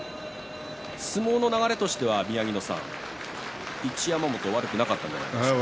相撲の流れとしては、一山本悪くなかったんじゃないでしょうか。